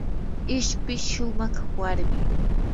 ishpi shumaq warmim.